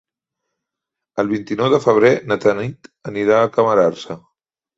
El vint-i-nou de febrer na Tanit anirà a Camarasa.